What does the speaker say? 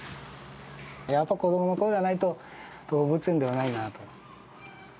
やっぱ子どもの声がないと動物園ではないなと。